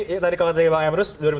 oke oke jadi kalau tadi pak emrus